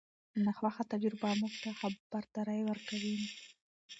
ناخوښه تجربه موږ ته خبرداری ورکوي.